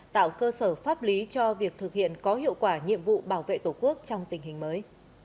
tạo cơ sở pháp lý cho việc thực hiện có hiệu quả nhiệm vụ bảo vệ tổ quốc trong tình hình mới